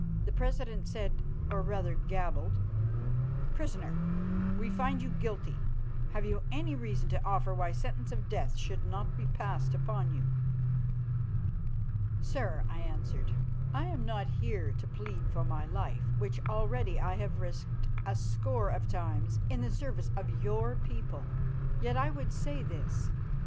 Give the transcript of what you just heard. The president said, or rather gabbled, "Prisoner, we find you guilty. Have you any reason to offer why sentence of death should not be passed upon you?" "Sir," I answered, "I am not here to plead for my life, which already I have risked a score of times in the service of your people. Yet I would say this.